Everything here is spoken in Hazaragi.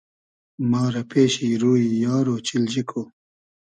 ما رۂ پېشی روی یار اۉچیلجی کو